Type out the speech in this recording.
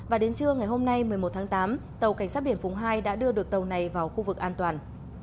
và đến trưa ngày hôm nay một mươi một tháng tám tàu cảnh sát biển phú hai đã đưa được tàu này vào khu vực an toàn